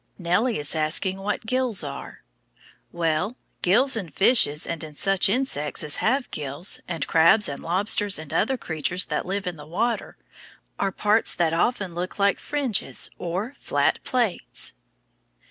Nellie is asking what gills are. Well, gills in fishes and in such insects as have gills, and in crabs and lobsters and other creatures that live in the water, are parts that often look like fringes or flat plates.